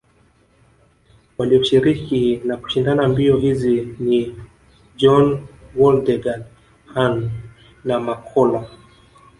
Walioshiriki na kushinda mbio hizi ni Bjorn Waldegard Hannu na Mokkola